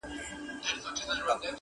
چي تپش یې بس پر خپله دایره وي-